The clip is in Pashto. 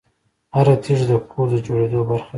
هره تیږه د کور د جوړېدو برخه ده.